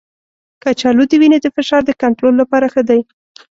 کچالو د وینې د فشار د کنټرول لپاره ښه دی.